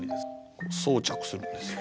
装着するんですよ。